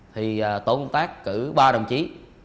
thì tổ công tác cử ba đồng chí